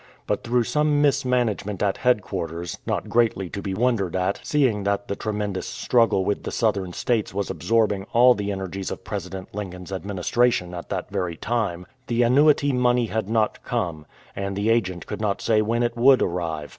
But through some mismanagement at headquarters (not greatly to be wondered at, seeing that the tremendous struggle with the Southern States was absorbing all the energies of President Lincoln"'s adminis tration at that very time) the annuity money had not come, and the agent could not say when it would arrive.